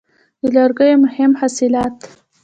د لرګیو مهم محصولات: